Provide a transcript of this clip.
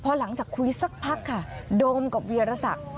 พอหลังจากคุยสักพักค่ะโดมกับเวียรศักดิ์